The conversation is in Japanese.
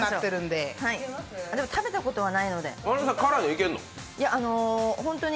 食べたことはないんで。